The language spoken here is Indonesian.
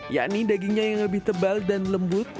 yakni dagingnya yang lebih tebal dan lembut